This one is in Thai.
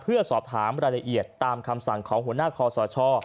เพื่อสอบถามรายละเอียดตามคำสั่งของหัวหน้าคอสช